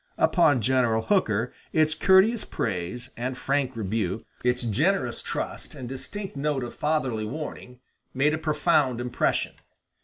Upon General Hooker its courteous praise and frank rebuke, its generous trust and distinct note of fatherly warning, made a profound impression.